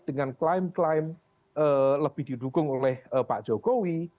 dengan klaim klaim lebih didukung oleh pak jokowi